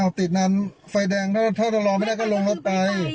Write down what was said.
อ้าวติดนานไฟแดงถ้าเรารอไม่ได้ก็ลงแล้วไป